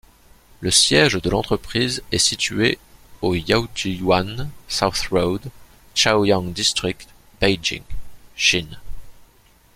Le siège de l'entreprise est situé au Yaojiayuan South Rd, Chaoyang District, Beijing, Chine.